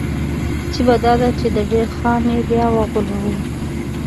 عجیبه دا ده چې د دیر خان یې بیا وغولاوه.